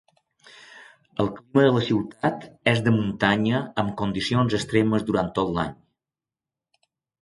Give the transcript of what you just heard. El clima de la ciutat és de muntanya amb condicions extremes durant tot l'any.